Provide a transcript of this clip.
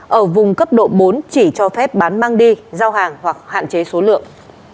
ở vùng cấp độ bốn chỉ cho phép bán mang đi giao hàng hoặc hạn chế số lượng